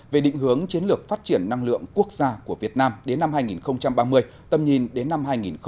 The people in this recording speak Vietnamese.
về định hướng chiến lược phát triển năng lượng quốc gia của việt nam đến năm hai nghìn ba mươi tầm nhìn đến năm hai nghìn bốn mươi năm